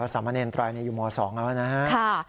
สามะเนรไตรเนี่ยอยู่ม๒แล้วนะฮะ